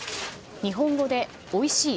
日本語で、おいしい。